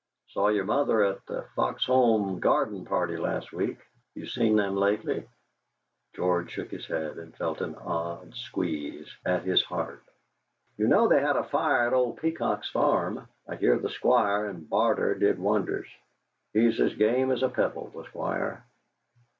Saw your mother at the Foxholme garden party last week. You seen them lately?" George shook his head and felt an odd squeeze: at his heart. "You know they had a fire at old Peacock's farm; I hear the Squire and Barter did wonders. He's as game as a pebble, the Squire."